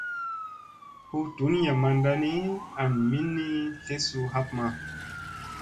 Hu ɗuniya manɗa ni, an minni tlesu hapma.